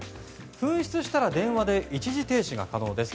紛失したら電話で一時停止が可能です。